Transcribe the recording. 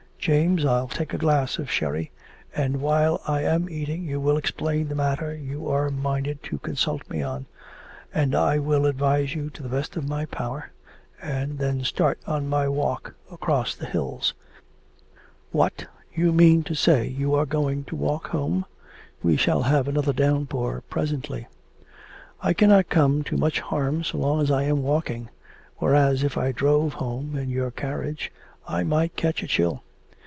James, I'll take a glass of sherry... and while I am eating you shall explain the matter you are minded to consult me on, and I will advise you to the best of my power, and then start on my walk across the hills.' 'What! you mean to say you are going to walk home? ... We shall have another downpour presently.' 'I cannot come to much harm so long as I am walking, whereas if I drove home in your carriage I might catch a chill....